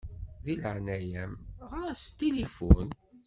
Di leɛnaya-m ɣeṛ-as s tilifun.